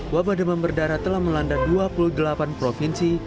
wabah demam berdarah telah melanda dua puluh delapan provinsi